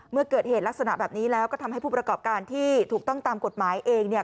เมื่อเกิดเหตุลักษณะแบบนี้แล้วก็ทำให้ผู้ประกอบการที่ถูกต้องตามกฎหมายเองเนี่ย